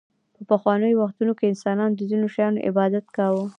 په پخوانیو وختونو کې انسانانو د ځینو شیانو عبادت کاوه